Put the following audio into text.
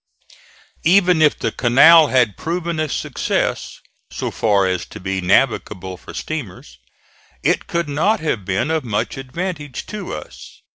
Even if the canal had proven a success, so far as to be navigable for steamers, it could not have been of much advantage to us.